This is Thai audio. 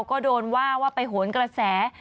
ก็โดนว่าว่าไปโหนกระแส